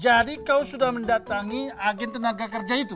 jadi kau sudah mendatangi agen tenaga kerja itu